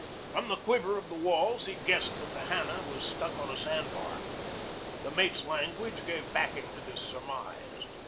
From the quiver of the walls he guessed that the Hannah was stuck on a sandbar. The mate's language gave backing to this surmise.